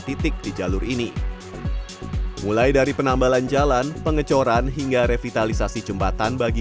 titik di jalur ini mulai dari penambalan jalan pengecoran hingga revitalisasi jembatan bagi